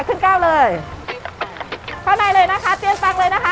ขึ้นก้าวเลยเข้าในเลยนะคะเตียนตังเลยนะคะ